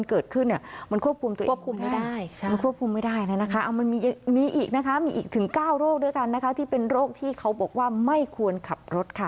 ขอบคุณครับ